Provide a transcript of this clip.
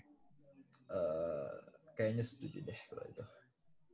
kayaknya setuju deh kalo itu